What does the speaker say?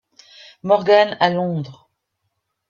Morgan à Londres.